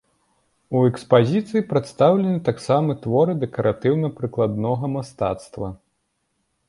У экспазіцыі прадстаўлены таксама творы дэкаратыўна-прыкладнога мастацтва.